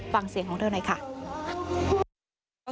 ฟังเสียงของเธอหน่อยค่ะ